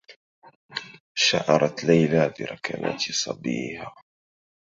شعرت ليلى بركلات صبيّها.